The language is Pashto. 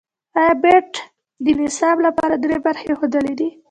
ای بیټ د نصاب لپاره درې برخې ښودلې دي.